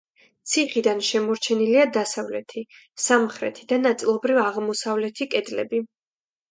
ციხიდან შემორჩენილია დასავლეთი, სამხრეთი და ნაწილობრივ აღმოსავლეთი კედლები.